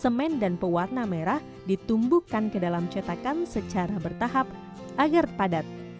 setelah dikampur dengan air semen dan pewarna merah ditumbuhkan ke dalam cetakan secara bertahap agar padat